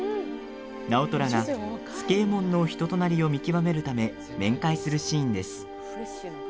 直虎が、助右衛門の人となりを見極めるため面会するシーンです。